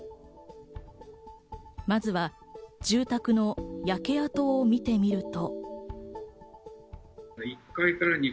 まずは住宅の焼け跡を見てみると。